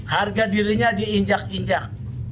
harga dirinya diinjak injak